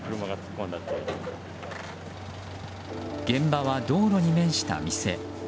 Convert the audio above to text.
現場は道路に面した店。